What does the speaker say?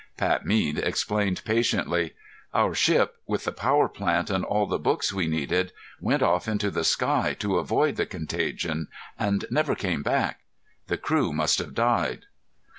Pat Mead explained patiently, "Our ship, with the power plant and all the books we needed, went off into the sky to avoid the contagion, and never came back. The crew must have died."